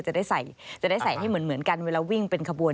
จะได้ใส่ให้เหมือนกันเวลาวิ่งเป็นขบวน